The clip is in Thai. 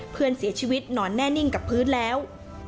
เพื่อนเสียชีวิตนอนแน่นิ่งกับพื้นแล้ว